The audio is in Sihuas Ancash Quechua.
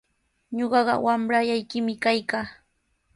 Ñuqaqa wamrallaykimi kaykaa.